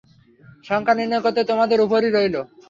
সংখ্যা নির্ণয় করা তোমাদের উপরেই রইল।